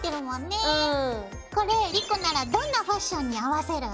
これ莉子ならどんなファッションに合わせる？